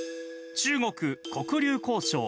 中国・黒竜江省。